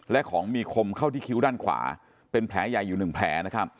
และของมีคมเข้าที่คิ้วด้านขวาเป็นแผลใหญ่อยู่๑แผลนะครับ